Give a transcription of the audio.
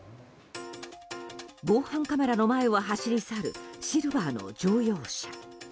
防犯カメラの前を走り去るシルバーの乗用車。